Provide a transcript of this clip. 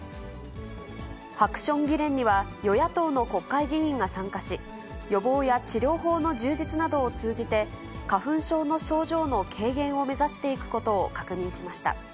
ハクション議連には、与野党の国会議員が参加し、予防や治療法の充実などを通じて、花粉症の症状の軽減を目指していくことを確認しました。